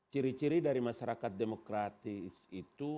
ciri ciri dari masyarakat demokratis itu